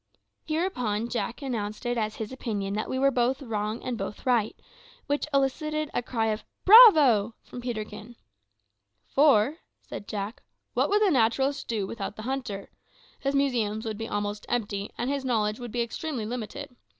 Hereupon Jack announced it as his opinion that we were both wrong and both right; which elicited a cry of "Bravo!" from Peterkin. "For," said Jack, "what would the naturalist do without the hunter? His museums would be almost empty and his knowledge would be extremely limited.